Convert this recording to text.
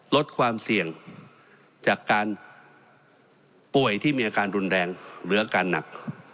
ลดความเสี่ยงจากการป่วยที่มีอาการรุนแรงหรืออาการหนัก